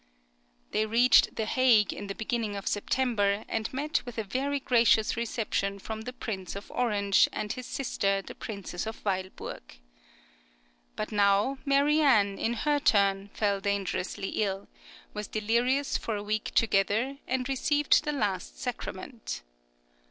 They reached the Hague in the beginning of September, and met with a very gracious reception from the Prince of Orange and his sister the Princess of Weilburg. But now, Marianne, in her turn fell dangerously ill; was delirious for a week together, and received the last sacrament.